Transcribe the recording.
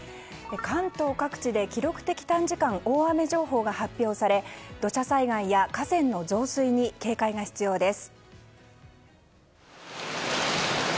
関東各地で記録的短時間大雨情報が発表され土砂災害や河川の増水に警戒が必要です。